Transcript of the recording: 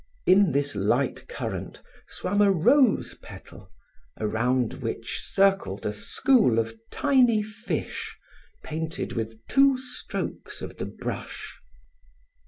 In this light current swam a rose petal, around which circled a school of tiny fish painted with two strokes of the brush.